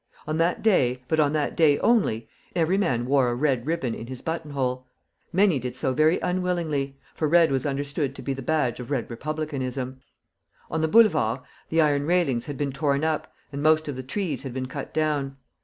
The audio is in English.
On that day but on that day only every man wore a red ribbon in his button hole. Many did so very unwillingly, for red was understood to be the badge of Red Republicanism. On the Boulevards the iron railings had been tom up, and most of the trees had been cut down.